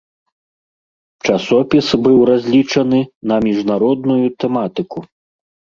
Часопіс быў разлічаны на міжнародную тэматыку.